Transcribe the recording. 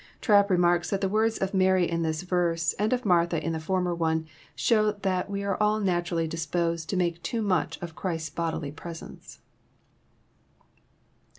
Trapp remarks that the words of Mary In this verse and of Martha in the former one show that we are all naturally dis posed to make too much of Christ's bodily presence.